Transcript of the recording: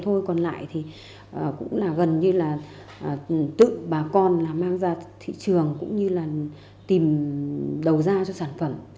thôi còn lại thì cũng là gần như là tự bà con là mang ra thị trường cũng như là tìm đầu ra cho sản phẩm